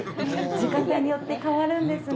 時間帯によって変わるんですね。